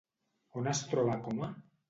On es troba Coma?